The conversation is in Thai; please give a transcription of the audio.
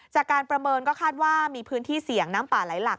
จากการประเมินก็คาดว่ามีพื้นที่เสี่ยงน้ำป่าไหลหลัก